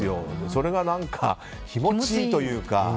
それが何か気持ちいいというか。